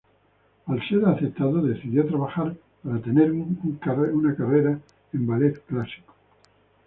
Al ser aceptado, decidió trabajar para tener una carrera en ballet clásico.